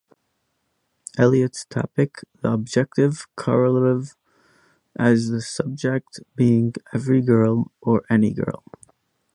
Eliot's topic, "the Objective Correlative", as the subject being every girl, or any girl.